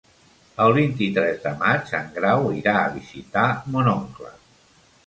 El vint-i-tres de maig en Grau irà a visitar mon oncle.